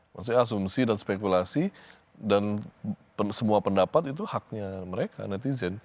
maksudnya asumsi dan spekulasi dan semua pendapat itu haknya mereka netizen